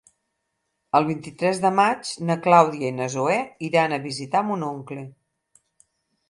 El vint-i-tres de maig na Clàudia i na Zoè iran a visitar mon oncle.